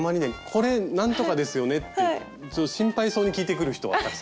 これなんとかですよね？って心配そうに聞いてくる人はたくさんいます。